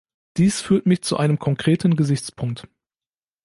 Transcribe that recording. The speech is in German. Dies führt mich zu einem konkreten Gesichtspunkt.